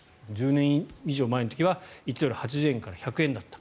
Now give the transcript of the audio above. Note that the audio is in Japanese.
１０年以上前の時は１ドル＝８０円から１００円の時だった。